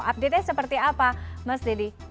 update nya seperti apa mas deddy